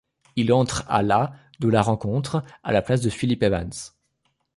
Il entre à la de la rencontre, à la place de Phillip Evans.